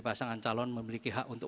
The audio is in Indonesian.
pasangan calon memiliki hak untuk